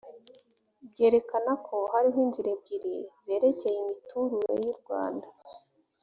ryerekana ko hariho inzira ebyiri zerekeye imiturure y u rwanda